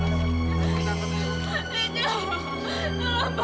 iya tahanan dia